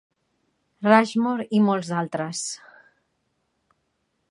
Rushmore, i molts d'altres.